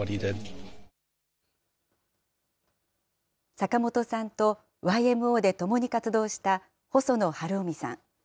坂本さんとＹＭＯで共に活動した細野晴臣さん。